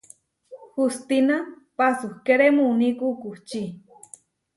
Hustína pasúkere muní kukučí.